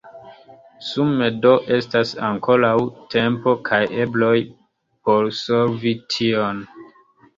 Sume do estas ankoraŭ tempo kaj ebloj por solvi tion.